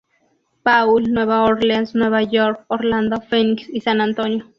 Paul, Nueva Orleans, Nueva York, Orlando, Phoenix, y San Antonio.